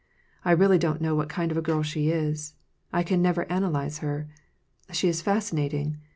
" I really don't know what kind of a girl she is. I can never analyze her. She is fascinating.